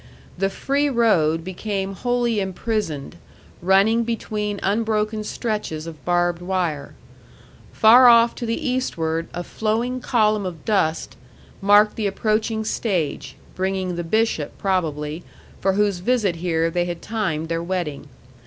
The free road became wholly imprisoned, running between unbroken stretches of barbed wire. Far off to the eastward a flowing column of dust marked the approaching stage, bringing the bishop, probably, for whose visit here they had timed their wedding.